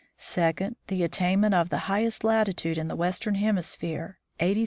Second : The attainment of the highest latitude in the Western Hemisphere, 83 50' north.